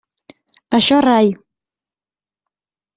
Això rai.